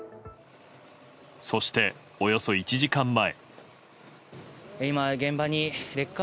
そして、およそ１時間前。